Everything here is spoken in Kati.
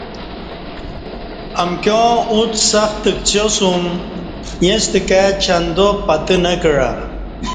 امکیاں اُݩڅ سخت کڅیاسُم ایݩستہ کائ چندا پتہ نہ کعہ